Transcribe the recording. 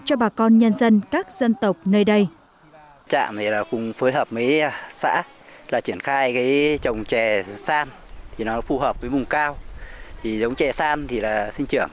cho bà con nhân dân các dân tộc nơi đây